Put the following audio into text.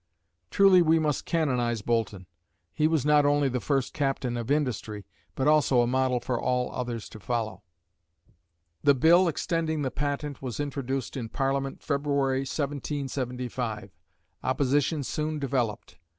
Truly we must canonise Boulton. He was not only the first "Captain of Industry," but also a model for all others to follow. The bill extending the patent was introduced in Parliament February, 1775. Opposition soon developed.